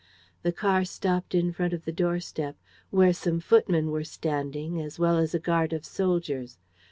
The car stopped in front of the doorstep, where some footmen were standing, as well as a guard of soldiers.